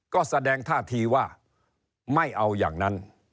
ก็แสดงท่าทีว่าไม่เอาอย่างนั้น